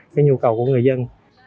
cái nhu cầu của người dân